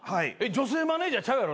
女性マネジャーちゃうやろな？